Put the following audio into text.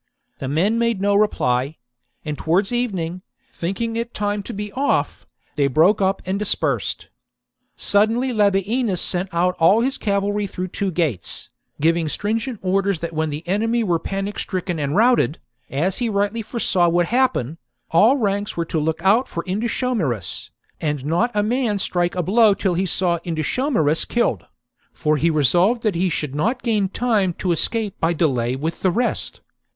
The men made no reply ; and towards evening, thinking it time to be off, they broke up and dispersed. Suddenly Labienus sent out Sonieof ,,,.,,,... Labienus 's all his cavalry through two gates, givmg strmgent cavalry: 1111 •"—. 1 Indutio orders that when the enemy were panic stricken mams killed. and routed, as he rightly foresaw would happen, all ranks were to look out for Indutiomarus, and not a man strike a blow till he saw Indutio marus killed ; for he resolved that he should not gain time to escape by delay with the rest.